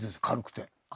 軽くて。